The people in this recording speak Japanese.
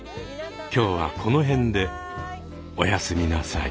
今日はこの辺でおやすみなさい。